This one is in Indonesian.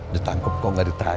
ditangkep kok gak ditanya ya